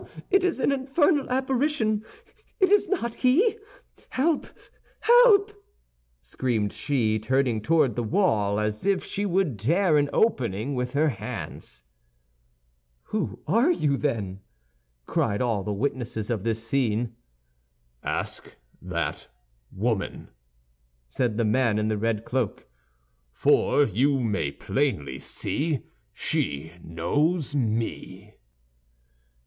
it is an infernal apparition! It is not he! Help, help!" screamed she, turning towards the wall, as if she would tear an opening with her hands. "Who are you, then?" cried all the witnesses of this scene. "Ask that woman," said the man in the red cloak, "for you may plainly see she knows me!"